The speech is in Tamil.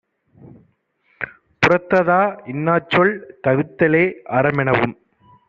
புறத்ததா, இன்னாச்சொல் தவிர்தலே அறமெனவும்;